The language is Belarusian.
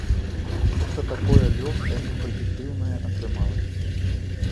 Нешта такое лёгкае і пазітыўнае атрымалася.